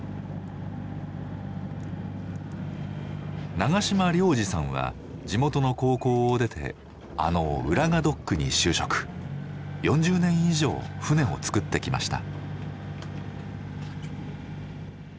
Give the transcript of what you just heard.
長島良二さんは地元の高校を出てあの浦賀ドックに就職４０年以上船を造ってきました。